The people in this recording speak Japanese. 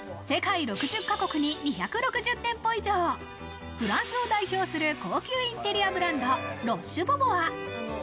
世界６０ヶ国に２６０店舗以上、フランスを代表する高級インテリアブランド、ロッシュボボア。